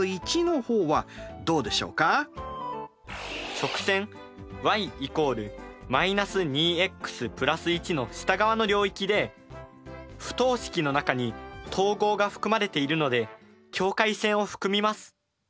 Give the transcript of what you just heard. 直線ｙ＝−２ｘ＋１の下側の領域で不等式の中に等号が含まれているので境界線を含みます。